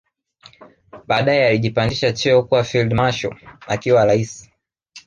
Baadae alijipandisha cheo kua field marshal akiwa raisi